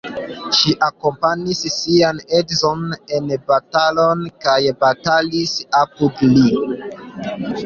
Ŝi akompanis sian edzon en batalon kaj batalis apud li.